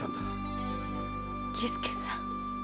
儀助さん。